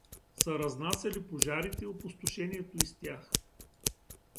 Са разнасяли пожарите и опустошението из тях.